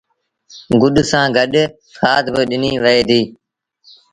گُڏ سآݩ گڏ کآڌ با ڏنيٚ وهي ديٚ